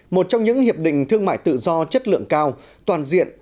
một trong những hiệp định thương mại tự do chất lượng cao toàn diện